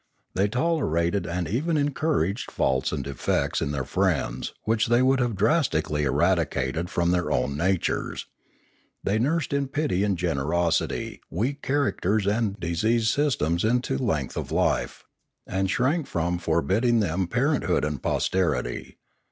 They tolerated and even encouraged faults and defects in their friends which they would have drastically eradicated from their own natures; they nursed in pity and generosity weak characters and dis eased systems into length of life, and shrank from for bidding them parenthood and posterity.